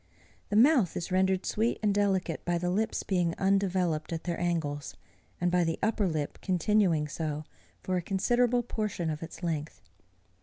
The mouth is rendered sweet and delicate by the lips being undeveloped at their angles, and by the upper lip continuing so, for a considerable portion of its length.